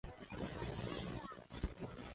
冈察洛夫等。